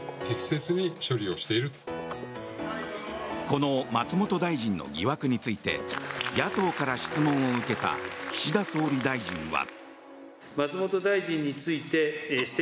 この松本大臣の疑惑について野党から質問を受けた岸田総理大臣は。